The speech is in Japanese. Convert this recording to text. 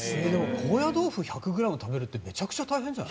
高野豆腐１００ｇ食べるってめちゃくちゃ大変じゃない？